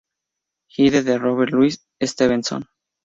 Hyde de Robert Louis Stevenson.